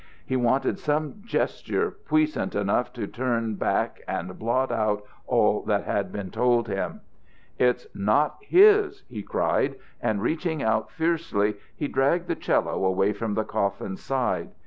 He wanted some gesture puissant enough to turn back and blot out all that had been told him. "It's not his!" he cried. And reaching out fiercely he dragged the 'cello away from the coffin's side.